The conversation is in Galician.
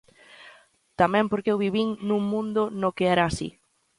Tamén porque eu vivín nun mundo no que era así.